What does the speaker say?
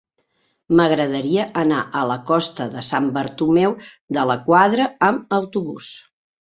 M'agradaria anar a la costa de Sant Bartomeu de la Quadra amb autobús.